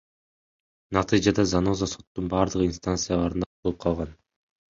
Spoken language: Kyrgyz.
Натыйжада Заноза соттун бардык инстанцияларында утулуп калган.